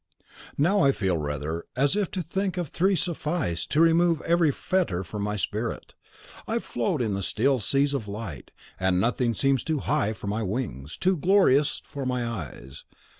Now I feel rather as if to think of thee sufficed to remove every fetter from my spirit. I float in the still seas of light, and nothing seems too high for my wings, too glorious for my eyes.